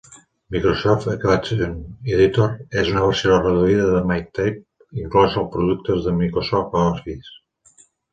Microsoft Equation Editor és una versió reduïda de MathType inclosa als productes de Microsoft Office.